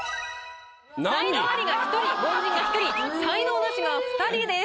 才能アリが１人凡人が１人才能ナシが２人です。